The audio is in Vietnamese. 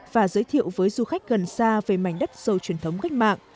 và giới thiệu với du khách gần xa về mảnh đất sâu truyền thống cách mạng